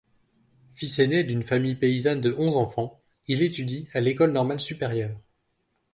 Fils aîné d'une famille paysanne de onze enfants, il étudie à l’École normale supérieure.